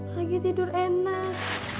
pagi tidur enak